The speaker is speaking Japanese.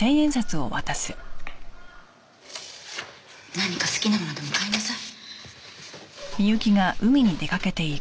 何か好きなものでも買いなさい。